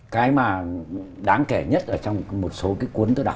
cái mà đáng kể nhất ở trong một số cái cuốn tôi đọc